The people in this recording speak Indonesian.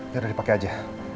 biar dipake aja